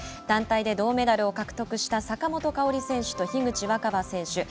団体で銅メダルを獲得した坂本花織選手と樋口新葉選手